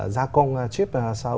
gia công chip